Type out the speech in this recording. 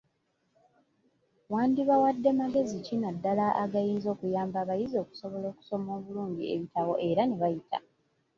Wandibawadde magezi ki naddala agayinza okuyamba abayizi okusobola okusoma obulungi ebitabo era ne bayita?